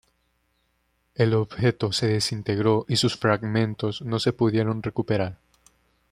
El objeto se desintegró y sus fragmentos no se pudieron recuperar.